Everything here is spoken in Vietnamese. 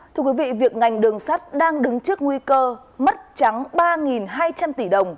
thưa quý vị việc ngành đường sắt đang đứng trước nguy cơ mất trắng ba hai trăm linh tỷ đồng